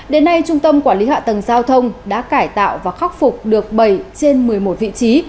đến nay trung tâm quản lý hạ tầng giao thông đã cải tạo và khắc phục được bảy trên một mươi một vị trí